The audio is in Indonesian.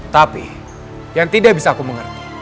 tapi yang tidak bisa aku mengerti